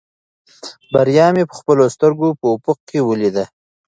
بریا مې په خپلو سترګو په افق کې ولیده.